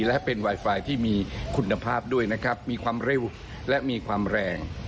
และเป็นไวไฟที่มีคุณภาพด้วยนะครับมีความเร็วและมีความแรง